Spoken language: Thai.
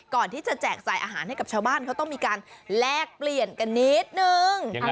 แจกจ่ายอาหารให้กับชาวบ้านเขาต้องมีการแลกเปลี่ยนกันนิดนึง